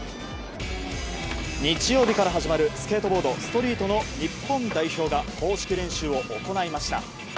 日曜日から始まるスケートボードストリートの日本代表が公式練習を行いました。